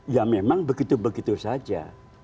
ya memang begitu begitu saja